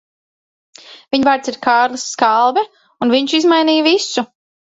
Viņa vārds ir Kārlis Skalbe, un viņš izmainīja visu.